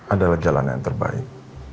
adalah jalan yang terbaik